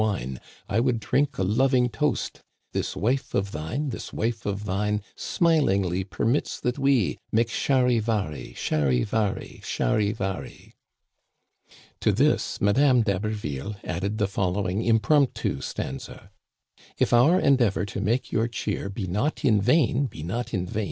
For I would drink a loving toast — This wife of thine {r€ptat\ Who smilingly permits that we Make Charivari ! Charivari ! Charivari !" To this Madame d'Haberville added the following impromptu stanza :*• If our endeavor to make your cheer Be not in vain (npeat).